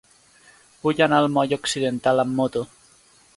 Vull anar al moll Occidental amb moto.